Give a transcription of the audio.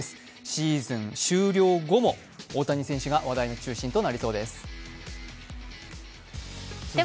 シーズン終了後も大谷選手が話題の中心となりそうです。